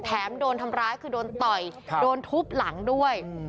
โดนทำร้ายคือโดนต่อยโดนทุบหลังด้วย